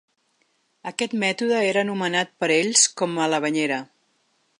Aquest mètode era anomenat per ells com a ‘la banyera’.